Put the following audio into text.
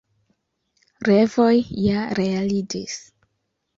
Revoj ja realiĝis!